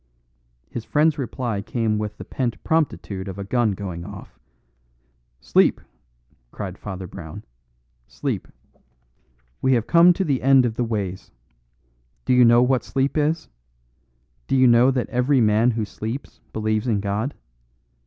His friend's reply came with the pent promptitude of a gun going off. "Sleep!" cried Father Brown. "Sleep. We have come to the end of the ways. Do you know what sleep is? Do you know that every man who sleeps believes in God?